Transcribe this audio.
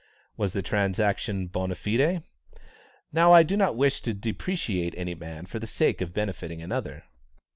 Was the transaction bona fide? Now I do not wish to depreciate any man for the sake of benefiting another.